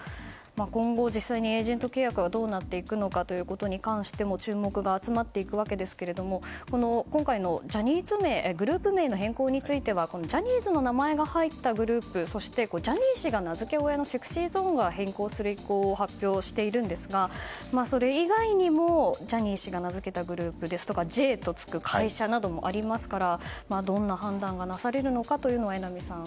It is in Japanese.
今後、実際にエージェント契約がどうなっていくのかということに関しても注目が集まっていくわけですけど今回のグループ名の変更についてはジャニーズの名前が入ったグループそしてジャニー氏が名付け親のＳｅｘｙＺｏｎｅは変更する意向を発表していますがそれ以外にも、ジャニー氏が名付けたグループですとかＪとつく会社もありますからどんな判断がなされるのか榎並さん